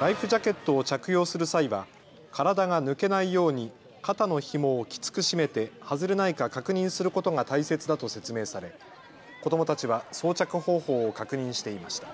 ライフジャケットを着用する際は体が抜けないように肩のひもをきつく締めて外れないか確認することが大切だと説明され子どもたちは装着方法を確認していました。